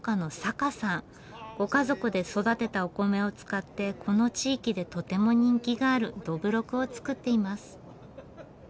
ご家族で育てたお米を使ってこの地域でとても人気があるどぶろくを造っています。